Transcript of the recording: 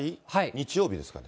日曜日ですか？